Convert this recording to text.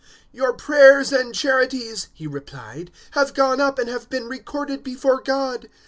"Your prayers and charities," he replied, "have gone up and have been recorded before God.